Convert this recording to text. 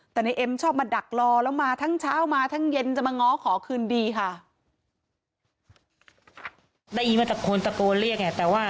แต่ในเอ็มชอบมาดักรอแล้วมาทั้งเช้ามาทั้งเย็นจะมาง้อขอคืนดีค่ะ